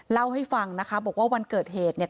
เล่าให้ฟังนะคะบอกว่าวันเกิดเหตุเนี่ย